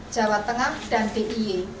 jawa tengah dan d i e